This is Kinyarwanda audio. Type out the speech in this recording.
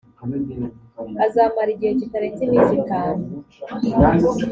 azamara igihe kitarenze iminsi itanu .